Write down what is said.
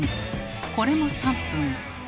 これも３分。